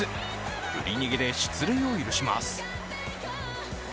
振り逃げで出塁を許します。